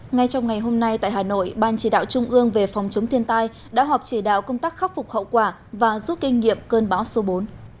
ngay trong ngày hôm nay tại hà nội ban chỉ đạo trung ương về phòng chống thiên tai đã họp chỉ đạo công tác khắc phục hậu quả và rút kinh nghiệm cơn bão số bốn